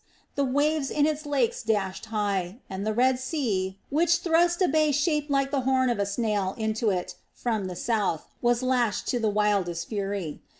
The waves in its lakes dashed high, and the Red Sea, which thrust a bay shaped like the horn of a snail into it from the south, was lashed to the wildest fury.